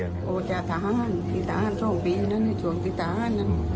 โอ้จะท้านที่ท้านโชคบีนั้นช่วงที่ท้าน